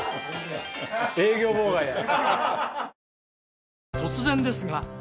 営業妨害だ。